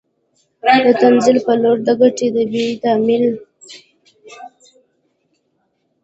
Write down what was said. د تنزل په لور د ګټې د بیې تمایل